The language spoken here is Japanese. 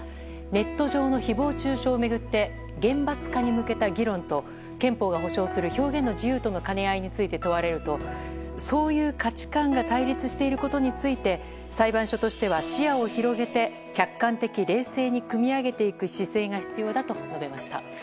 ネット上の誹謗中傷を巡って厳罰化に向けた議論と憲法が保障する表現の自由との兼ね合いについて問われるとそういう価値観が対立していることについて裁判所としては視野を広げて客観的・冷静にくみ上げていく姿勢が必要だと述べました。